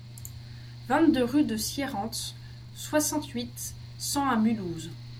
vingt-deux rue de Sierentz, soixante-huit, cent à Mulhouse